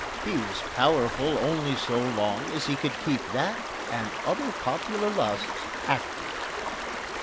He was powerful only so long as he could keep that and other popular lusts active.